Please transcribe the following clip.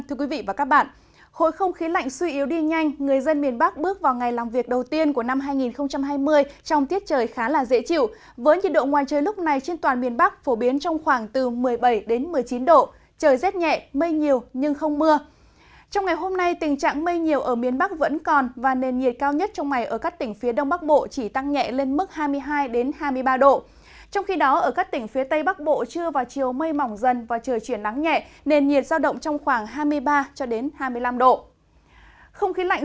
thưa quý vị bản tin dự báo thời tiết của truyền hình nhân dân là một bản tin dự báo thời tiết của truyền hình nhân dân